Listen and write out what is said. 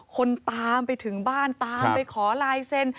คนตามไปถึงบ้านตามไปขอลายเซ็น